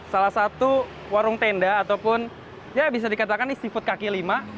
salah satu warung tenda ataupun ya bisa dikatakan ini seafood kaki lima